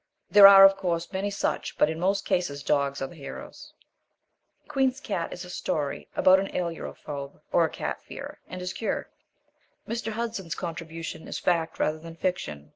There are, of course, many such, but in most cases dogs are the heroes. The Queen's Cat is a story about an ailurophobe, or a cat fearer, and his cure. Mr. Hudson's contribution is fact rather than fiction.